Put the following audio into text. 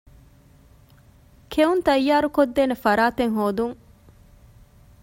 ކެއުން ތައްޔާރުކޮށްދޭނެ ފަރާތެއް ހޯދުން